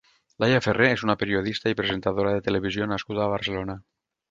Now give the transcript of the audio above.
Laia Ferrer és una periodista i presentadora de televisió nascuda a Barcelona.